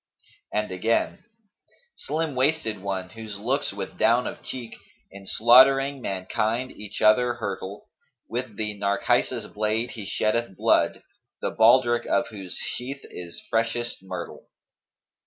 And again, 'Slim waisted one, whose looks with down of cheek * In slaughtering mankind each other hurtle With the Narcissus blade he sheddeth blood, * The baldrick of whose sheath is freshest myrtle.'